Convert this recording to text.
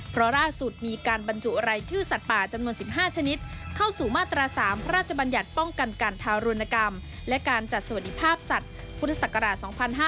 เพราะล่าสุดมีการบรรจุรายชื่อสัตว์ป่าจำนวน๑๕ชนิดเข้าสู่มาตรา๓พระราชบัญญัติป้องกันการทารุณกรรมและการจัดสวัสดิภาพสัตว์พุทธศักราช๒๕๕๙